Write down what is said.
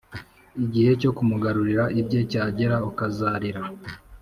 igihe cyo kumugarurira ibye cyagera, ukazarira,